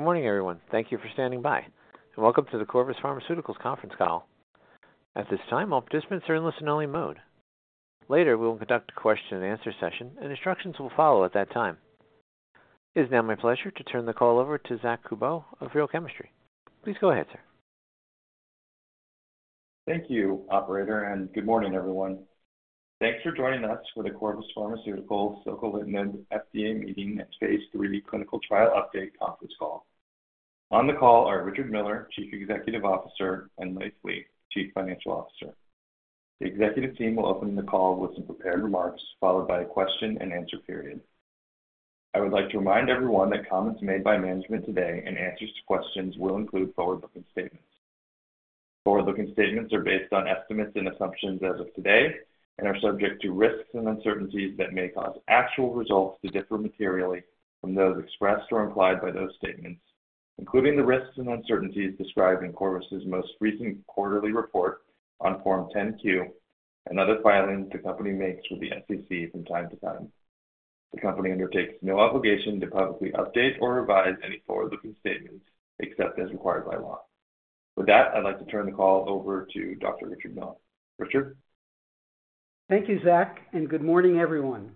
Good morning, everyone. Thank you for standing by, and welcome to the Corvus Pharmaceuticals Conference Call. At this time, all participants are in listen-only mode. Later, we will conduct a question-and-answer session, and instructions will follow at that time. It is now my pleasure to turn the call over to Zack Kubow of Real Chemistry. Please go ahead, sir. Thank you, operator, and good morning, everyone. Thanks for joining us for the Corvus Pharmaceuticals soquelitinib FDA Meeting and phase III Clinical Trial update conference call. On the call are Richard Miller, Chief Executive Officer, and Leiv Lea, Chief Financial Officer. The executive team will open the call with some prepared remarks, followed by a question-and-answer period. I would like to remind everyone that comments made by management today and answers to questions will include forward-looking statements. Forward-looking statements are based on estimates and assumptions as of today and are subject to risks and uncertainties that may cause actual results to differ materially from those expressed or implied by those statements, including the risks and uncertainties described in Corvus' most recent quarterly report on Form 10-Q and other filings the company makes with the SEC from time to time. The company undertakes no obligation to publicly update or revise any forward-looking statements except as required by law. With that, I'd like to turn the call over to Dr. Richard Miller. Richard? Thank you, Zack, and good morning, everyone.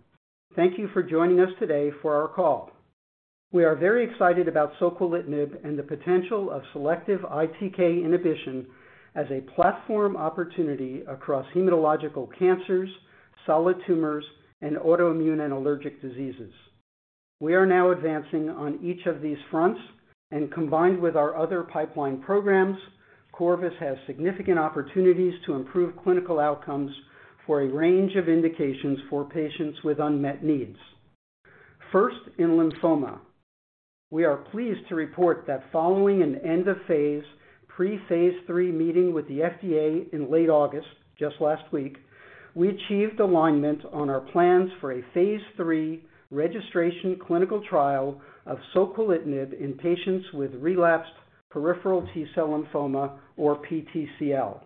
Thank you for joining us today for our call. We are very excited about soquelitinib and the potential of selective ITK inhibition as a platform opportunity across hematological cancers, solid tumors, and autoimmune and allergic diseases. We are now advancing on each of these fronts, and combined with our other pipeline programs, Corvus has significant opportunities to improve clinical outcomes for a range of indications for patients with unmet needs. First, in lymphoma, we are pleased to report that following an end-of-phase pre-phase III meeting with the FDA in late August, just last week, we achieved alignment on our plans for a phase III registration clinical trial of soquelitinib in patients with relapsed peripheral T-cell lymphoma, or PTCL.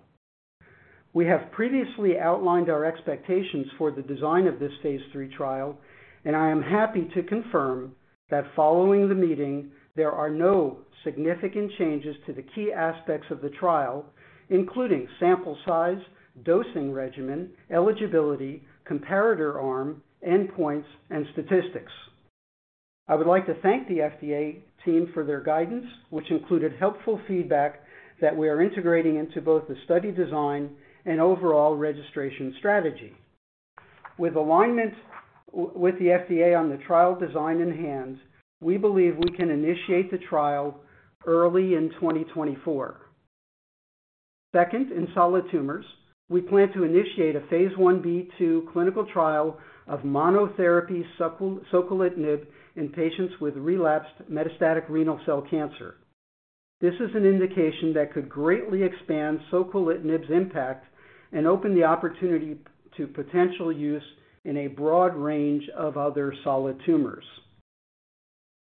We have previously outlined our expectations for the design of this phase III trial, and I am happy to confirm that following the meeting, there are no significant changes to the key aspects of the trial, including sample size, dosing regimen, eligibility, comparator arm, endpoints, and statistics. I would like to thank the FDA team for their guidance, which included helpful feedback that we are integrating into both the study design and overall registration strategy. With alignment with the FDA on the trial design in hand, we believe we can initiate the trial early in 2024. Second, in solid tumors, we plan to initiate a phase I-B/II clinical trial of monotherapy soquelitinib in patients with relapsed metastatic renal cell cancer. This is an indication that could greatly expand soquelitinib's impact and open the opportunity to potential use in a broad range of other solid tumors.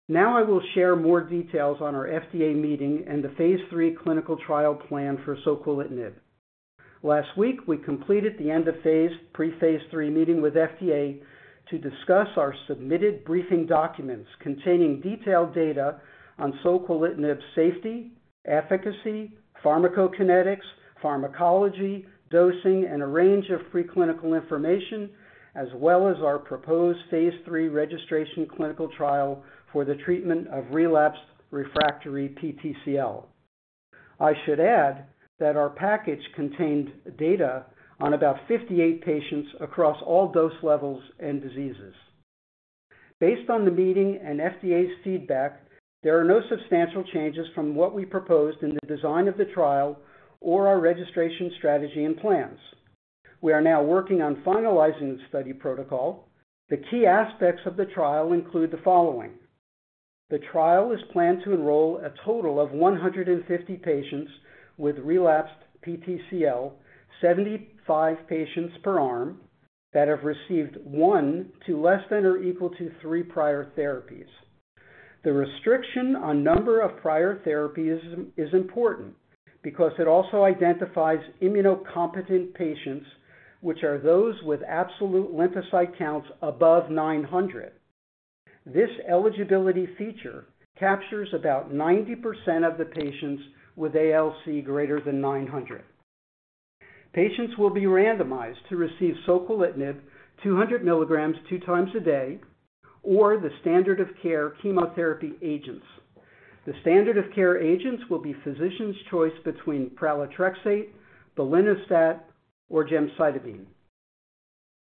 Now I will share more details on our FDA meeting and the phase III clinical trial plan for soquelitinib. Last week, we completed the end of phase, pre-phase III meeting with FDA to discuss our submitted briefing documents containing detailed data on soquelitinib's safety, efficacy, pharmacokinetics, pharmacology, dosing, and a range of preclinical information, as well as our proposed phase III registration clinical trial for the treatment of relapsed refractory PTCL. I should add that our package contained data on about 58 patients across all dose levels and diseases. Based on the meeting and FDA's feedback, there are no substantial changes from what we proposed in the design of the trial or our registration strategy and plans. We are now working on finalizing the study protocol. The key aspects of the trial include the following. The trial is planned to enroll a total of 150 patients with relapsed PTCL, 75 patients per arm, that have received one to less than or equal to three prior therapies. The restriction on number of prior therapies is important because it also identifies immunocompetent patients, which are those with absolute lymphocyte counts above 900. This eligibility feature captures about 90% of the patients with ALC greater than 900. Patients will be randomized to receive soquelitinib, 200 milligrams, two times a day, or the standard of care chemotherapy agents. The standard of care agents will be physician's choice between pralatrexate, belinostat, or gemcitabine.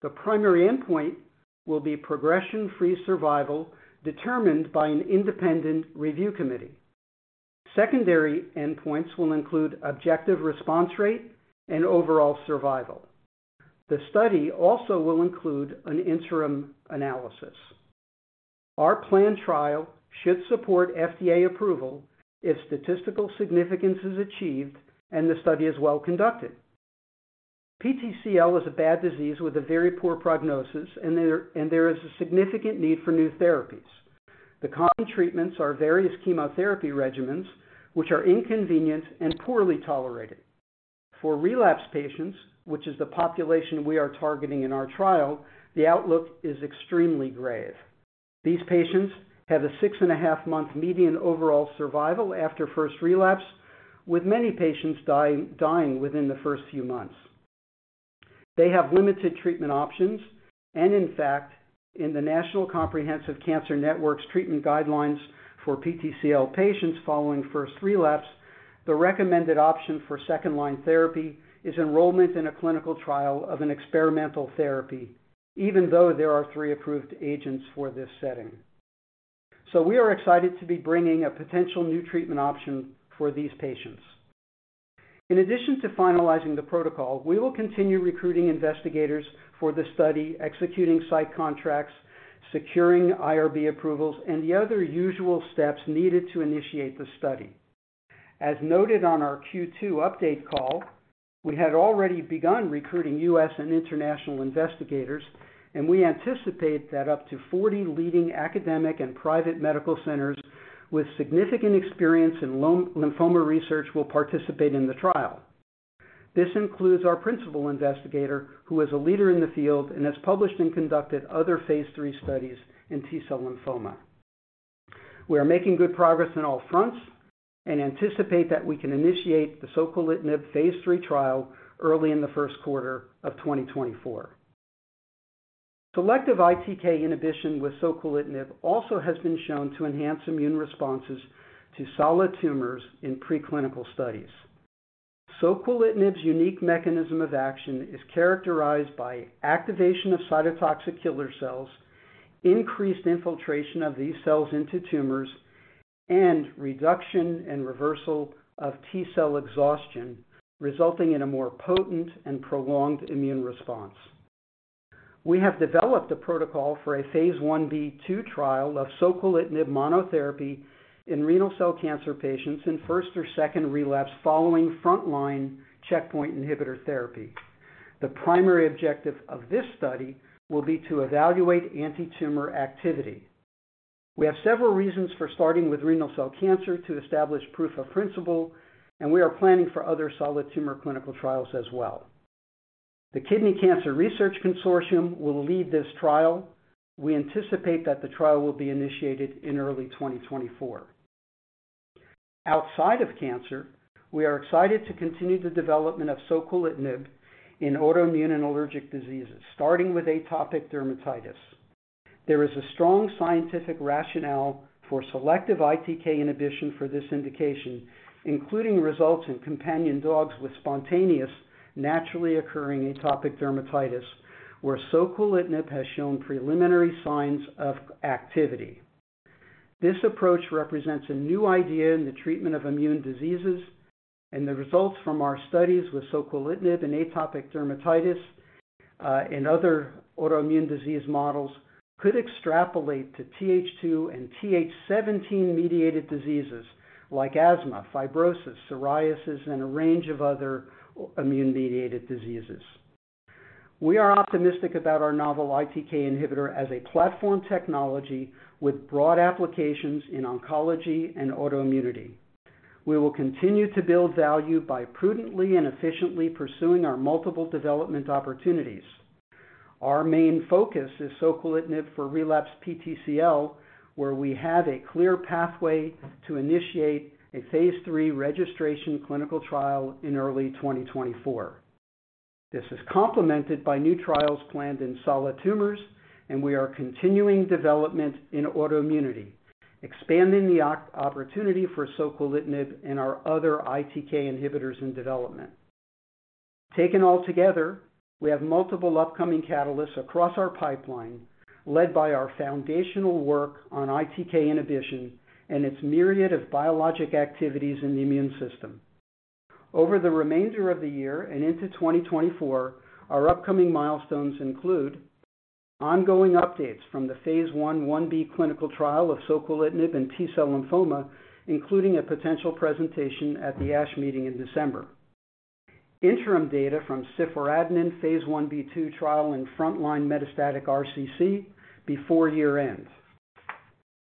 The primary endpoint will be progression-free survival, determined by an independent review committee. Secondary endpoints will include objective response rate and overall survival. The study also will include an interim analysis. Our planned trial should support FDA approval if statistical significance is achieved and the study is well conducted. PTCL is a bad disease with a very poor prognosis, and there is a significant need for new therapies. The common treatments are various chemotherapy regimens, which are inconvenient and poorly tolerated. For relapsed patients, which is the population we are targeting in our trial, the outlook is extremely grave. These patients have a 6.5-month median overall survival after first relapse, with many patients dying within the first few months. They have limited treatment options, and in fact, in the National Comprehensive Cancer Network treatment guidelines for PTCL patients following first relapse, the recommended option for second-line therapy is enrollment in a clinical trial of an experimental therapy, even though there are three approved agents for this setting. So we are excited to be bringing a potential new treatment option for these patients. In addition to finalizing the protocol, we will continue recruiting investigators for the study, executing site contracts, securing IRB approvals, and the other usual steps needed to initiate the study. As noted on our Q2 update call, we had already begun recruiting U.S. and international investigators, and we anticipate that up to 40 leading academic and private medical centers with significant experience in PTCL lymphoma research will participate in the trial. This includes our principal investigator, who is a leader in the field and has published and conducted other phase III studies in T-cell lymphoma. We are making good progress on all fronts and anticipate that we can initiate the soquelitinib phase III trial early in the first quarter of 2024. Selective ITK inhibition with soquelitinib also has been shown to enhance immune responses to solid tumors in preclinical studies. Soquelitinib's unique mechanism of action is characterized by activation of cytotoxic killer cells, increased infiltration of these cells into tumors, and reduction and reversal of T cell exhaustion, resulting in a more potent and prolonged immune response. We have developed a protocol for a phase I-B/II trial of soquelitinib monotherapy in renal cell cancer patients in first or second relapse following frontline checkpoint inhibitor therapy. The primary objective of this study will be to evaluate antitumor activity. We have several reasons for starting with renal cell cancer to establish proof of principle, and we are planning for other solid tumor clinical trials as well. The Kidney Cancer Research Consortium will lead this trial. We anticipate that the trial will be initiated in early 2024. Outside of cancer, we are excited to continue the development of soquelitinib in autoimmune and allergic diseases, starting with atopic dermatitis. There is a strong scientific rationale for selective ITK inhibition for this indication, including results in companion dogs with spontaneous, naturally occurring atopic dermatitis, where soquelitinib has shown preliminary signs of activity. This approach represents a new idea in the treatment of immune diseases, and the results from our studies with soquelitinib in atopic dermatitis, and other autoimmune disease models could extrapolate to Th2 and Th17-mediated diseases like asthma, fibrosis, psoriasis, and a range of other immune-mediated diseases. We are optimistic about our novel ITK inhibitor as a platform technology with broad applications in oncology and autoimmunity. We will continue to build value by prudently and efficiently pursuing our multiple development opportunities. Our main focus is soquelitinib for relapsed PTCL, where we have a clear pathway to initiate a phase III registration clinical trial in early 2024. This is complemented by new trials planned in solid tumors, and we are continuing development in autoimmunity, expanding the opportunity for soquelitinib and our other ITK inhibitors in development. Taken altogether, we have multiple upcoming catalysts across our pipeline, led by our foundational work on ITK inhibition and its myriad of biologic activities in the immune system. Over the remainder of the year and into 2024, our upcoming milestones include ongoing updates from the phase I/I-B clinical trial of soquelitinib in T-cell lymphoma, including a potential presentation at the ASH meeting in December. Interim data from ciforadenant phase I-B/II trial in frontline metastatic RCC before year-end.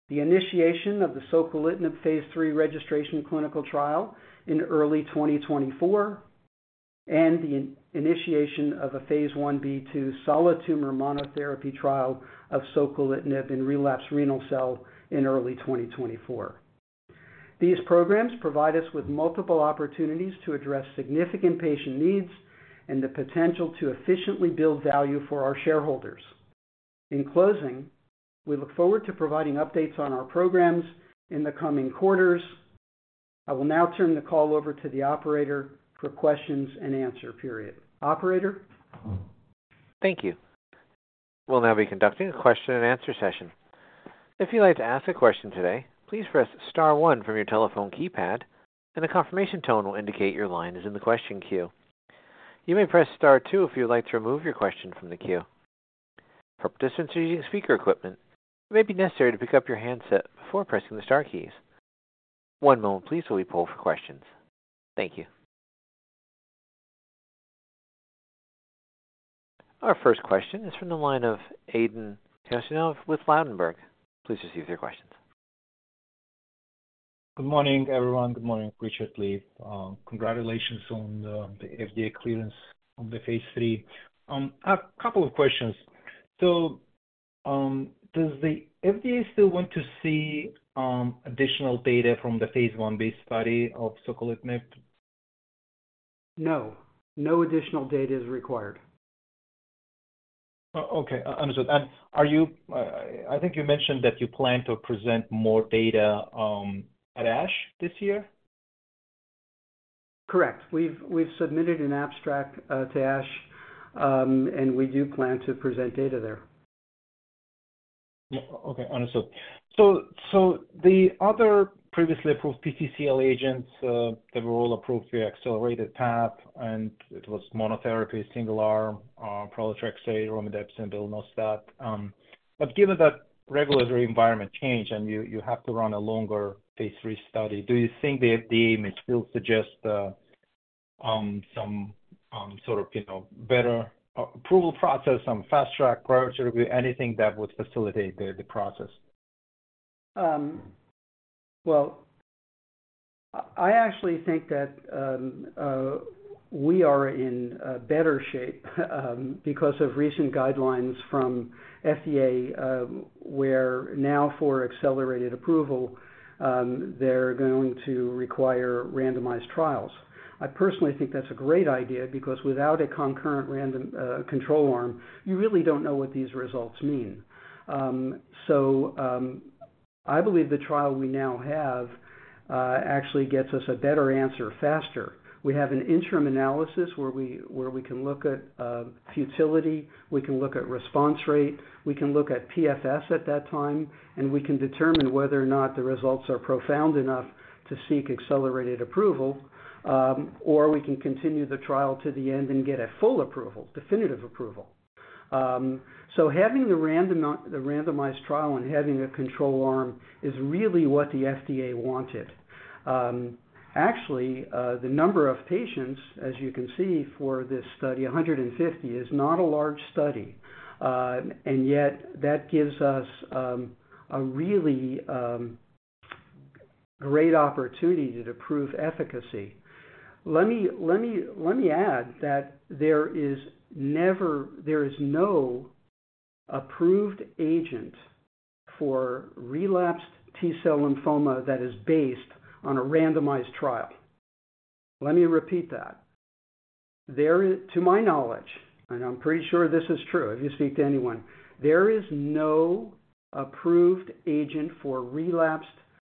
The initiation of the soquelitinib phase III registration clinical trial in early 2024, and the initiation of a phase I-B/II solid tumor monotherapy trial of soquelitinib in relapsed renal cell in early 2024. These programs provide us with multiple opportunities to address significant patient needs and the potential to efficiently build value for our shareholders. In closing, we look forward to providing updates on our programs in the coming quarters. I will now turn the call over to the operator for questions and answer period. Operator? Thank you. We'll now be conducting a question and answer session. If you'd like to ask a question today, please press star one from your telephone keypad, and a confirmation tone will indicate your line is in the question queue. You may press star two if you would like to remove your question from the queue. For participants using speaker equipment, it may be necessary to pick up your handset before pressing the star keys. One moment please while we poll for questions. Thank you. Our first question is from the line of Aydin Huseynov with Ladenburg Thalmann. Please proceed with your questions. Good morning, everyone. Good morning, Richard, Leiv. Congratulations on the FDA clearance on the phase III. A couple of questions. So, does the FDA still want to see additional data from the phase I-based study of soquelitinib? No, no additional data is required. Oh, okay. Understood. And are you—I, I think you mentioned that you plan to present more data at ASH this year? Correct. We've submitted an abstract to ASH, and we do plan to present data there. Yeah. Okay, understood. So, so the other previously approved PTCL agents, they were all approved via accelerated path, and it was monotherapy, single arm, pralatrexate, romidepsin, belinostat. But given that regulatory environment change and you, you have to run a longer phase III study, do you think the FDA may still suggest, some sort of, you know, better, approval process, some fast track priority review, anything that would facilitate the, the process? Well, I actually think that we are in a better shape because of recent guidelines from FDA, where now for accelerated approval, they're going to require randomized trials. I personally think that's a great idea because without a concurrent random control arm, you really don't know what these results mean. So, I believe the trial we now have actually gets us a better answer faster. We have an interim analysis where we can look at futility, we can look at response rate, we can look at PFS at that time, and we can determine whether or not the results are profound enough to seek accelerated approval, or we can continue the trial to the end and get a full approval, definitive approval. So having the random not. The randomized trial and having a control arm is really what the FDA wanted. Actually, the number of patients, as you can see for this study, 150, is not a large study, and yet that gives us a really great opportunity to prove efficacy. Let me add that there is never, there is no approved agent for relapsed T-cell lymphoma that is based on a randomized trial. Let me repeat that. There is, to my knowledge, and I'm pretty sure this is true, if you speak to anyone, there is no approved agent for relapsed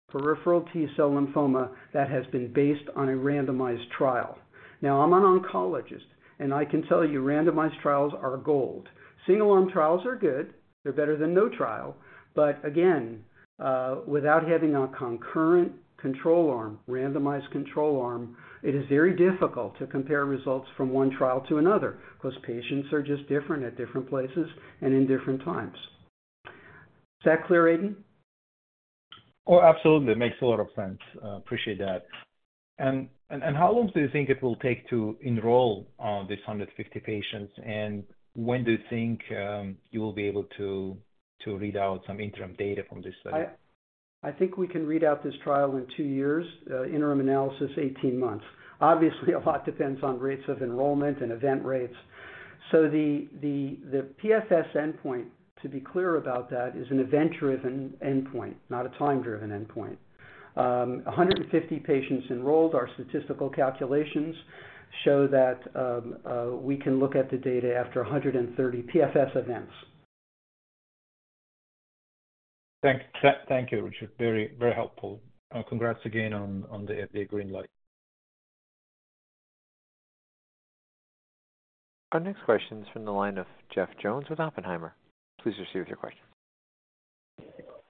peripheral T-cell lymphoma that has been based on a randomized trial. Now, I'm an oncologist, and I can tell you randomized trials are gold. Single-arm trials are good. They're better than no trial, but again, without having a concurrent control arm, randomized control arm, it is very difficult to compare results from one trial to another, because patients are just different at different places and in different times. Is that clear, Aydin? Oh, absolutely. It makes a lot of sense. Appreciate that. And how long do you think it will take to enroll these 150 patients? And when do you think you will be able to read out some interim data from this study? I think we can read out this trial in two years, interim analysis, 18 months. Obviously, a lot depends on rates of enrollment and event rates. So the PFS endpoint, to be clear about that, is an event-driven endpoint, not a time-driven endpoint. 150 patients enrolled, our statistical calculations show that, we can look at the data after 130 PFS events. Thank you, Richard. Very, very helpful. Congrats again on the FDA green light. Our next question is from the line of Jeff Jones with Oppenheimer. Please proceed with your question.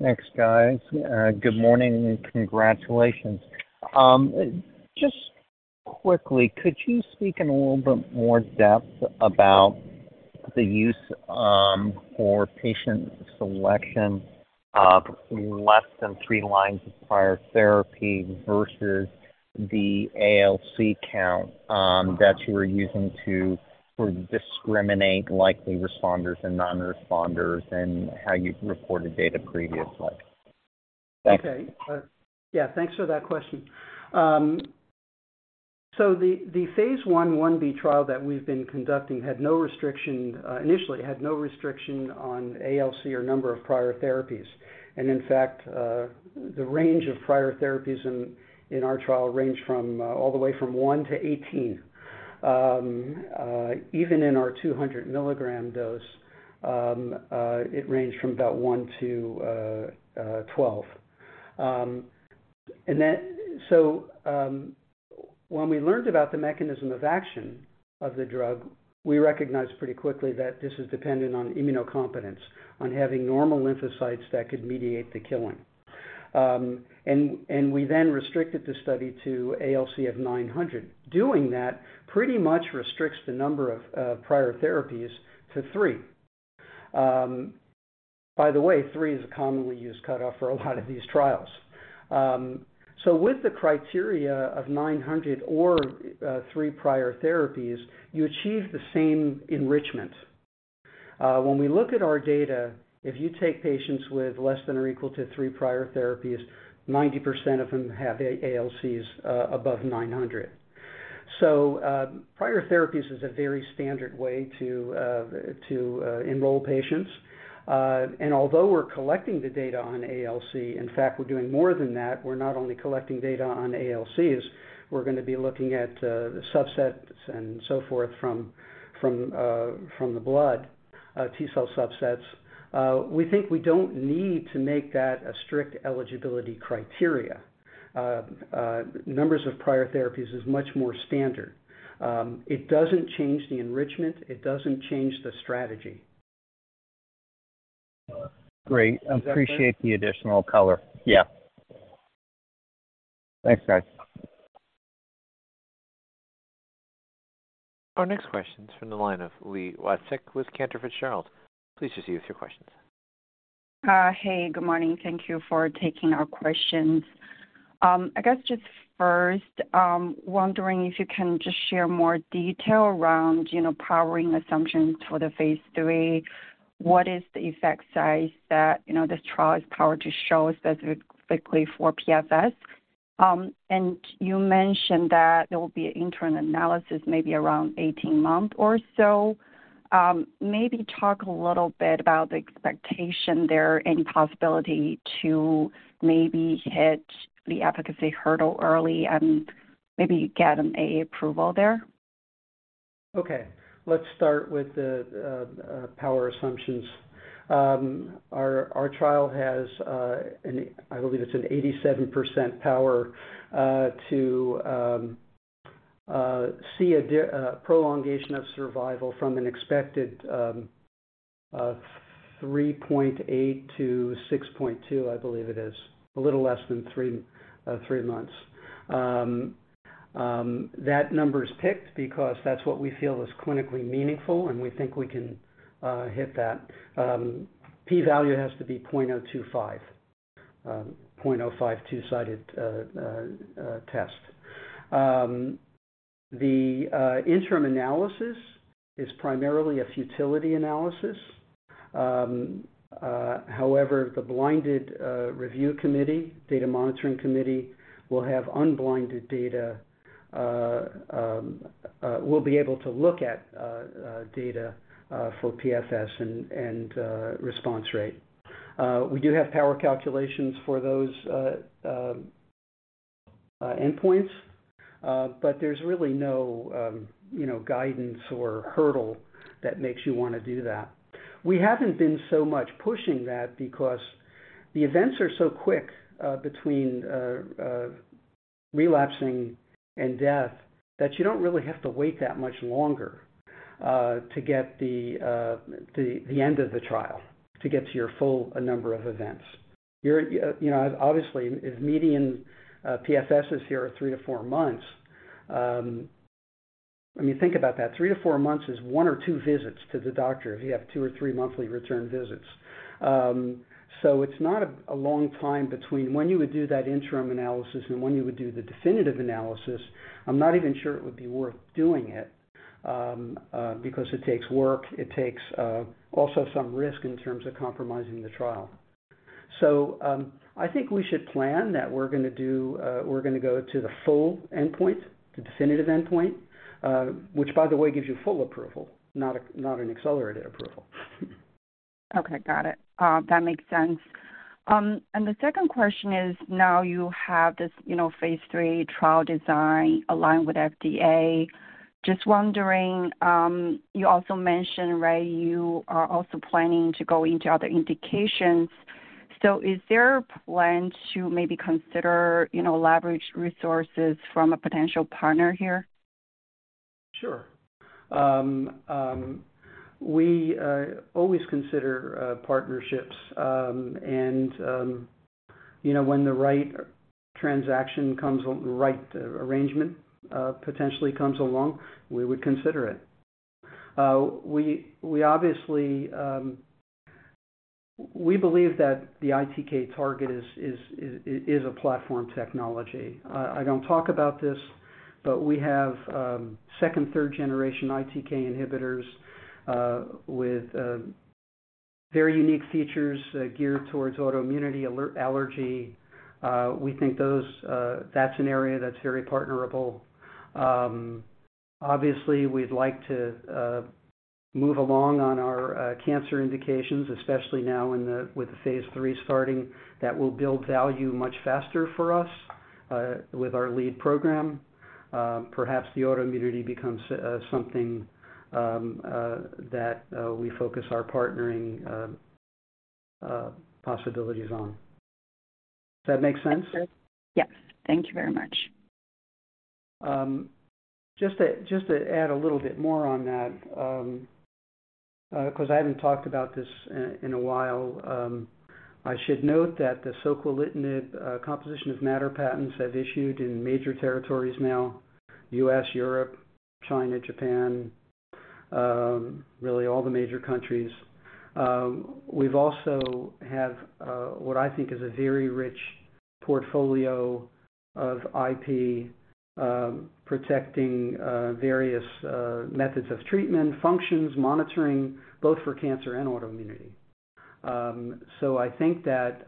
Thanks, guys. Good morning and congratulations. Just quickly, could you speak in a little bit more depth about the use for patient selection of less than three lines of prior therapy versus the ALC count that you were using to sort of discriminate likely responders and non-responders, and how you've reported data previously? Thanks. Okay. Yeah, thanks for that question. The phase I/I-B trial that we've been conducting had no restriction, initially had no restriction on ALC or number of prior therapies. In fact, the range of prior therapies in our trial ranged all the way from one to 18. Even in our 200 mg dose, it ranged from about one to 12. When we learned about the mechanism of action of the drug, we recognized pretty quickly that this is dependent on immunocompetence, on having normal lymphocytes that could mediate the killing. We then restricted the study to ALC of 900. Doing that pretty much restricts the number of prior therapies to three. By the way, three is a commonly used cutoff for a lot of these trials. So with the criteria of 900 or three prior therapies, you achieve the same enrichment. When we look at our data, if you take patients with less than or equal to three prior therapies, 90% of them have ALCs above 900. So prior therapies is a very standard way to enroll patients. And although we're collecting the data on ALC, in fact, we're doing more than that, we're not only collecting data on ALCs, we're gonna be looking at the subsets and so forth from the blood, T cell subsets. We think we don't need to make that a strict eligibility criteria. Numbers of prior therapies is much more standard. It doesn't change the enrichment, it doesn't change the strategy. Great. Does that make sense? Appreciate the additional color. Yeah. Thanks, guys. Our next question is from the line of Li Watsek with Cantor Fitzgerald. Please proceed with your questions. Hey, good morning. Thank you for taking our questions. I guess just first, wondering if you can just share more detail around, you know, powering assumptions for the phase III. What is the effect size that, you know, this trial is powered to show us specifically for PFS? And you mentioned that there will be an interim analysis, maybe around 18 months or so. Maybe talk a little bit about the expectation there, any possibility to maybe hit the efficacy hurdle early and maybe get an AA approval there? Okay, let's start with the power assumptions. Our trial has, I believe it's an 87% power to see a prolongation of survival from an expected 3.8 to 6.2, I believe it is, a little less than three months. That number is picked because that's what we feel is clinically meaningful, and we think we can hit that. P-value has to be 0.025, 0.05, two-sided test. The interim analysis is primarily a futility analysis. However, the blinded review committee, data monitoring committee, will have unblinded data, will be able to look at data for PFS and response rate. We do have power calculations for those endpoints, but there's really no, you know, guidance or hurdle that makes you wanna do that. We haven't been so much pushing that because the events are so quick, between relapsing and death, that you don't really have to wait that much longer to get the end of the trial, to get to your full number of events. You're, you know, obviously, if median PFSs here are three to four months, I mean, think about that, three to four months is one or two visits to the doctor, if you have two or three monthly return visits. So it's not a long time between when you would do that interim analysis and when you would do the definitive analysis. I'm not even sure it would be worth doing it, because it takes work, it takes also some risk in terms of compromising the trial. So, I think we should plan that we're gonna do, we're gonna go to the full endpoint, the definitive endpoint, which, by the way, gives you full approval, not a, not an accelerated approval. Okay, got it. That makes sense. And the second question is: Now you have this, you know, phase III trial design aligned with FDA. Just wondering, you also mentioned, right, you are also planning to go into other indications. So is there a plan to maybe consider, you know, leverage resources from a potential partner here? Sure. We always consider partnerships. And you know, when the right transaction comes, right arrangement potentially comes along, we would consider it. We obviously... We believe that the ITK target is a platform technology. I don't talk about this, but we have second, third generation ITK inhibitors with very unique features geared towards autoimmunity, allergy. We think those, that's an area that's very partnerable. Obviously, we'd like to move along on our cancer indications, especially now with the phase III starting, that will build value much faster for us with our lead program. Perhaps the autoimmunity becomes something that we focus our partnering possibilities on. Does that make sense? Yes. Thank you very much. Just to, just to add a little bit more on that, cause I haven't talked about this in, in a while. I should note that the soquelitinib composition of matter patents have issued in major territories now, U.S., Europe, China, Japan, really all the major countries. We've also have what I think is a very rich portfolio of IP protecting various methods of treatment, functions, monitoring, both for cancer and autoimmunity. So I think that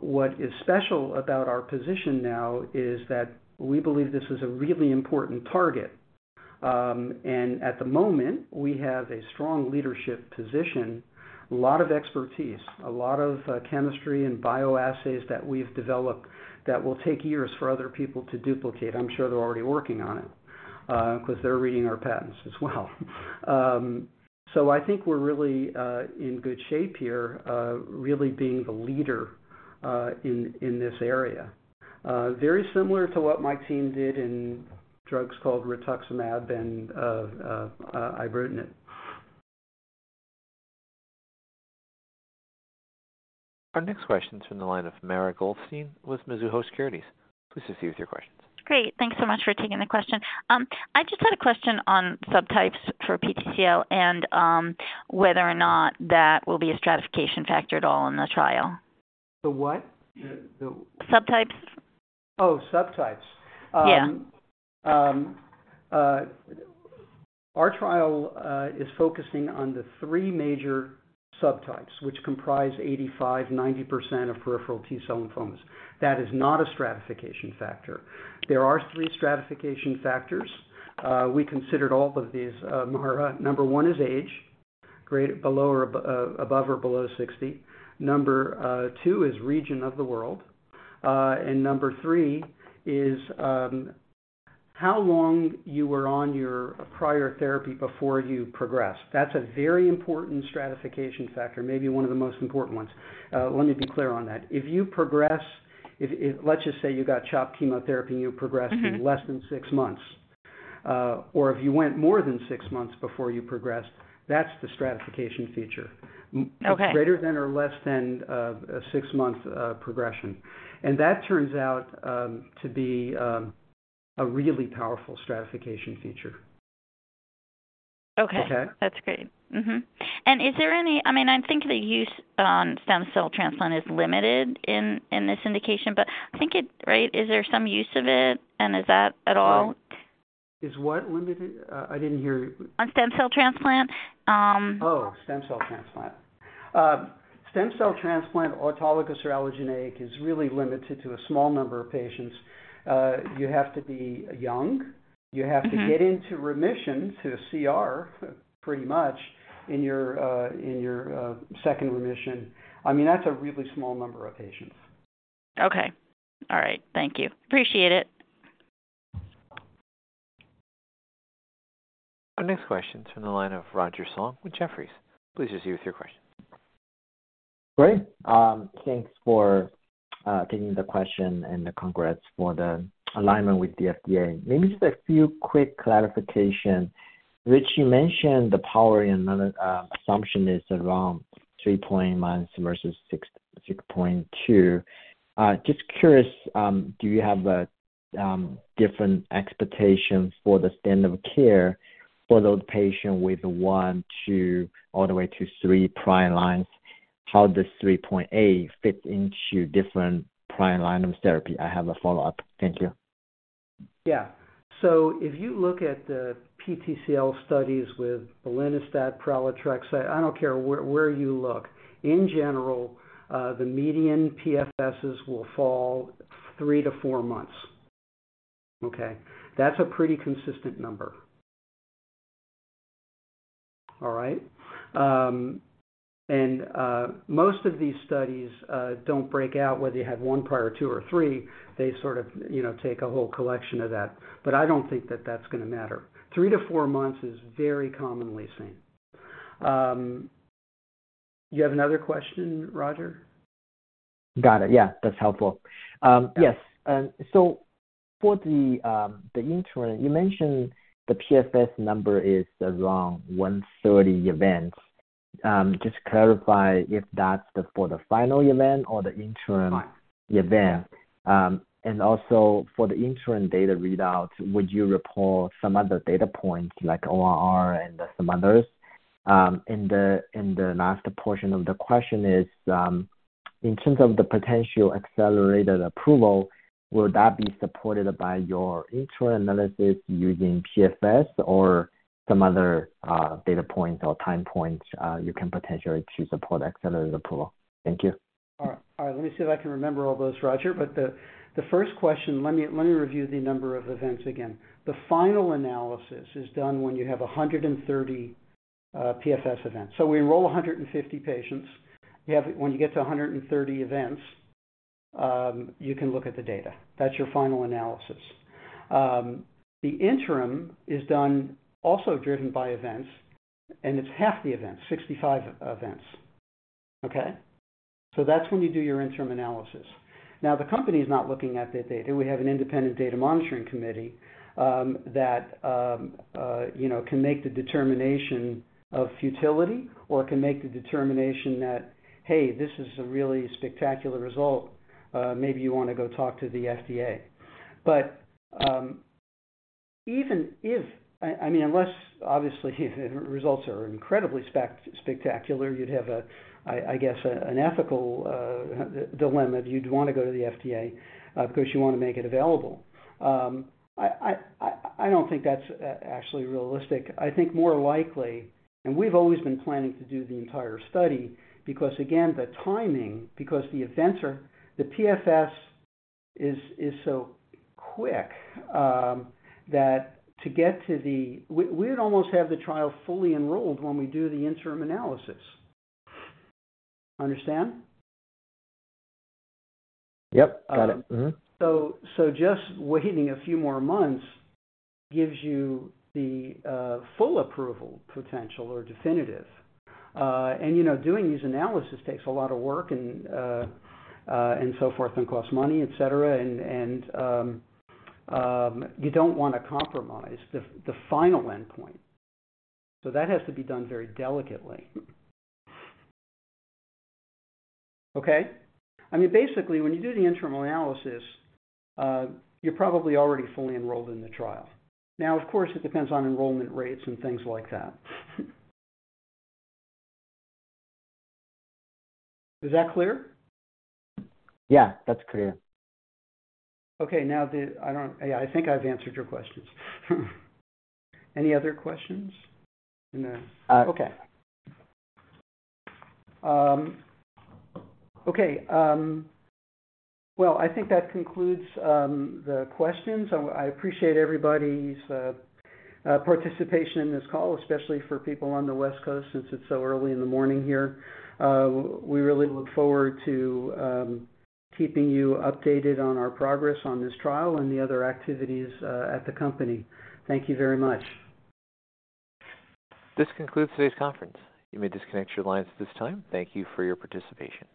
what is special about our position now is that we believe this is a really important target. And at the moment, we have a strong leadership position, a lot of expertise, a lot of chemistry and bioassays that we've developed that will take years for other people to duplicate. I'm sure they're already working on it, 'cause they're reading our patents as well. So I think we're really in good shape here, really being the leader in this area. Very similar to what my team did in drugs called rituximab and ibrutinib. Our next question is from the line of Mara Goldstein with Mizuho Securities. Please proceed with your questions. Great. Thanks so much for taking the question. I just had a question on subtypes for PTCL and whether or not that will be a stratification factor at all in the trial? The what? The- Subtypes. Oh, subtypes. Yeah. Our trial is focusing on the three major subtypes, which comprise 85%-90% of peripheral T-cell lymphomas. That is not a stratification factor. There are three stratification factors. We considered all of these, Mara. Number one is age above or below 60. Number two is region of the world. And number three is how long you were on your prior therapy before you progressed. That's a very important stratification factor, maybe one of the most important ones. Let me be clear on that. If you progress, let's just say you got CHOP chemotherapy, and you progressed- Mm-hmm. in less than six months, or if you went more than six months before you progressed, that's the stratification feature. Okay. Greater than or less than a six-month progression. And that turns out to be a really powerful stratification feature. Okay. Okay? That's great. Mm-hmm. And is there any, I mean, I'm thinking the use of stem cell transplant is limited in this indication, but I think it, right? Is there some use of it, and is that at all- Is what limited? I didn't hear you. On stem cell transplant, Oh, stem cell transplant. Stem cell transplant, autologous or allogeneic, is really limited to a small number of patients. You have to be young. Mm-hmm. You have to get into remission to CR, pretty much, in your second remission. I mean, that's a really small number of patients. Okay. All right. Thank you. Appreciate it. Our next question is from the line of Roger Song with Jefferies. Please proceed with your question. Great. Thanks for taking the question, and congrats for the alignment with the FDA. Maybe just a few quick clarification, which you mentioned the power and another assumption is around three months versus six, 6.2. Just curious, do you have different expectations for the standard of care for those patients with one, two, all the way to three prior lines? How does 3.8 fit into different prior line of therapy? I have a follow-up. Thank you. Yeah. So if you look at the PTCL studies with belinostat, pralatrexate, I don't care where, where you look. In general, the median PFSs will fall three to four months. Okay? That's a pretty consistent number. All right? And most of these studies don't break out whether you have one prior, two, or three. They sort of, you know, take a whole collection of that, but I don't think that that's gonna matter. three to four months is very commonly seen. Do you have another question, Roger? Got it. Yeah, that's helpful. Yes, and so for the interim, you mentioned the PFS number is around 130 events. Just to clarify if that's for the final event or the interim- Right. -event. And also, for the interim data readout, would you report some other data points like ORR and some others? And the last portion of the question is, in terms of the potential accelerated approval, will that be supported by your interim analysis using PFS or some other data points or time points you can potentially to support accelerated approval? Thank you. All right. All right, let me see if I can remember all those, Roger. But the first question, let me review the number of events again. The final analysis is done when you have 130 PFS events. So we enroll 150 patients. You have... When you get to 130 events, you can look at the data. That's your final analysis. The interim is done, also driven by events, and it's half the event, 65 events, okay? So that's when you do your interim analysis. Now, the company is not looking at that data. We have an independent data monitoring committee that you know can make the determination of futility, or it can make the determination that, hey, this is a really spectacular result, maybe you wanna go talk to the FDA. But even if, I mean, unless obviously, the results are incredibly spectacular, you'd have, I guess, an ethical dilemma. You'd wanna go to the FDA, because you wanna make it available. I don't think that's actually realistic. I think more likely, and we've always been planning to do the entire study, because again, the timing, because the events are, the PFS is so quick, that to get to the... We'd almost have the trial fully enrolled when we do the interim analysis. Understand? Yep, got it. Mm-hmm. So just waiting a few more months gives you the full approval potential or definitive. And, you know, doing these analysis takes a lot of work and so forth and costs money, et cetera. And you don't wanna compromise the final endpoint, so that has to be done very delicately. Okay? I mean, basically, when you do the interim analysis, you're probably already fully enrolled in the trial. Now, of course, it depends on enrollment rates and things like that. Is that clear? Yeah, that's clear. Okay. Now... yeah, I think I've answered your questions. Any other questions in the- Uh- Okay. Well, I think that concludes the questions. So I appreciate everybody's participation in this call, especially for people on the West Coast, since it's so early in the morning here. We really look forward to keeping you updated on our progress on this trial and the other activities at the company. Thank you very much. This concludes today's conference. You may disconnect your lines at this time. Thank you for your participation.